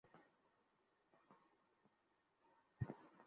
তাই প্রশাসনের পক্ষ থেকে তাকে আমার বাসায় আপাতত রাখতে বলা হয়েছে।